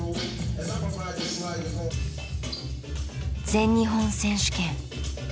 全日本選手権。